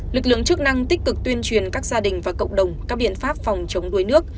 lực lượng chức năng tích cực tuyên truyền các gia đình và cộng đồng các biện pháp phòng chống đuối nước